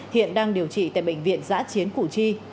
hiện đang điều trị tại bệnh viện giã chiến củ chi